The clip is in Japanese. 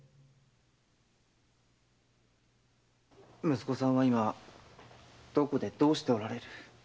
息子さんは今どこでどうしておられる？